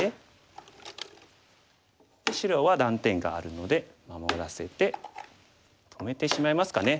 で白は断点があるので守らせて止めてしまいますかね。